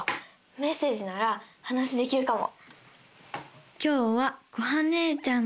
メッセージなら話できるかも。